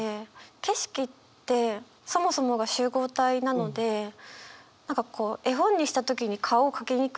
景色ってそもそもが集合体なので何かこう絵本にした時に顔を描きにくいっていうか。